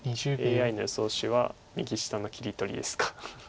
ＡＩの予想手は右下の切り取りですか。